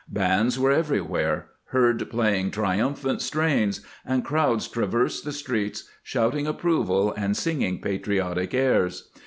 Bands were everywhere heard playing triumphant strains, and crowds traversed the streets, shouting approval and singing patriotic airs.